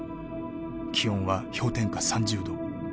気温は氷点下３０度。